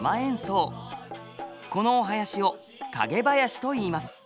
このお囃子を蔭囃子と言います。